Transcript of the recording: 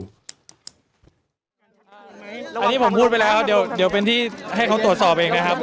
อันนี้ผมพูดไปแล้วเดี๋ยวเป็นที่ให้เขาตรวจสอบเองนะครับ